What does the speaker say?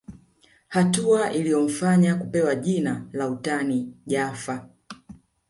Hatua iliyomfanya kupewa jina la utani Jaffa